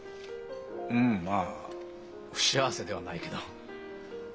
うんまあ不幸せではないけど。